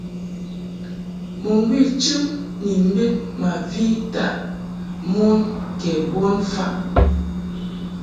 Mɨŋgwi chɨm ni mbed ma vi taʼ mon ke bon mfaʼ.